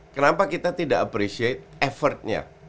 kenapa kita tidak appreciate effortnya